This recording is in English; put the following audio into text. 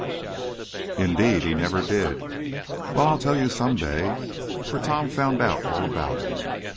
"Indeed he never did!" "Well, I'll tell you some day. For Tom found out all about him.